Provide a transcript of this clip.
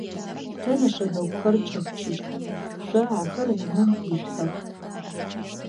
Тэ нэшэбэгухэр кӏэтчыщт, шъо ахэр унэм ишъухьэх.